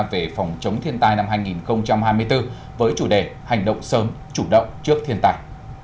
về phòng chống thiên tai năm hai nghìn hai mươi bốn với chủ đề hành động sớm chủ động trước thiên tài